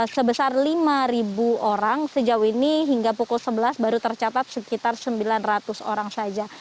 sebesar lima orang sejauh ini hingga pukul sebelas baru tercatat sekitar sembilan ratus orang saja